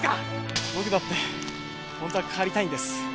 僕だってホントは変わりたいんです。